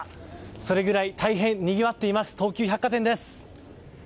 それぐらい大変にぎわっています東急百貨店です。